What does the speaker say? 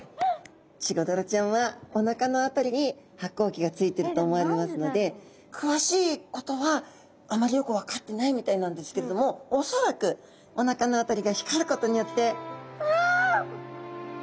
チゴダラちゃんはおなかの辺りに発光器がついてると思われますので詳しいことはあまりよく分かってないみたいなんですけれども恐らくおなかの辺りが光ることによって「うわ！あなた光ってますね！